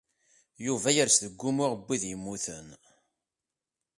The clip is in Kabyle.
Yuba yers deg wumuɣ n wid yemmuten.